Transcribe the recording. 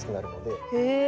へえ。